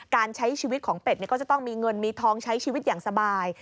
การใช้ชีวิตของเป็ดก็จะต้องมีเงินมีทองใช้ชีวิตอย่างสบาย